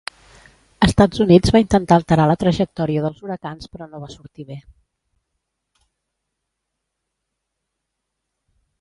Estats Units va intentar alterar la trajectòria dels huracans però no va sortir bé